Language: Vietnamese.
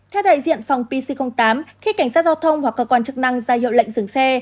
theo đại diện phòng pc tám khi cảnh sát giao thông hoặc cơ quan chức năng ra hiệu lệnh dừng xe